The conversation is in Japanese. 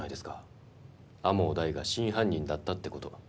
天羽大が真犯人だったって事。